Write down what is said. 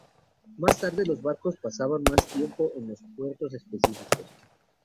Más tarde, los barcos pasaban más tiempo en los puertos específicos.